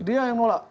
dia yang nolak